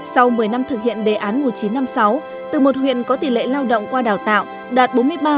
sau một mươi năm thực hiện đề án một nghìn chín trăm năm mươi sáu từ một huyện có tỷ lệ lao động qua đào tạo đạt bốn mươi ba một